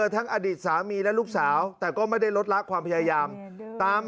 อดีตสามีและลูกสาวแต่ก็ไม่ได้ลดละความพยายามตาม